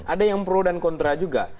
ada yang pro dan kontra juga